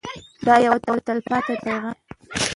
دا یو تلپاتې پیغام دی.